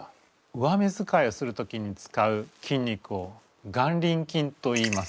上目遣いをする時に使う筋肉を眼輪筋といいます。